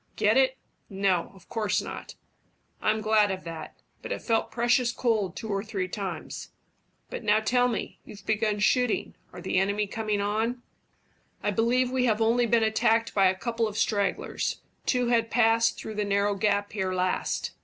"Get it? No, of course not." "I'm glad of that; but it felt precious cold two or three times. But now tell me you've begun shooting are the enemy coming on?" "I believe we have only been attacked by a couple of stragglers two who passed through the narrow gap here last."